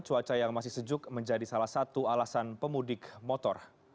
cuaca yang masih sejuk menjadi salah satu alasan pemudik motor